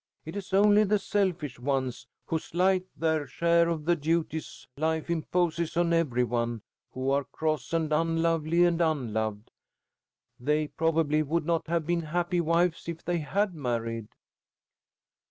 It is only the selfish ones, who slight their share of the duties life imposes on every one, who are cross and unlovely and unloved. They probably would not have been happy wives if they had married."